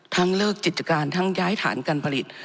เลิกกิจการทั้งย้ายฐานการผลิต